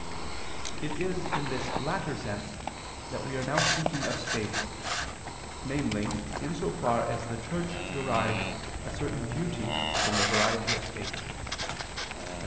It is in this latter sense that we are now speaking of states, namely in so far as the Church derives a certain beauty from the variety of states [*Cf.